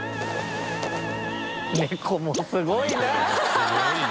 ネコもすごいな。